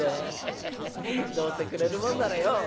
ヘヘヘどうせくれるもんならよ